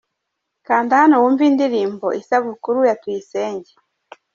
Kanda hanowumve indirimbo Isabukuru ya Tuyisenge.